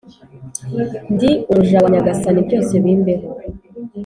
“ndi umuja wa nyagasani byose bimbeho